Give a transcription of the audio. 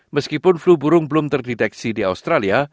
meskipun flu burung belum terdeteksi di australia